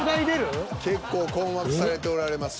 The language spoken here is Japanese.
結構困惑されておられますね。